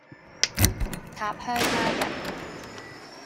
塔香蝦仁